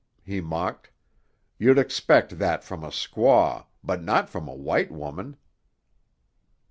he mocked. "You'd expect that from a squaw, but not from a white woman."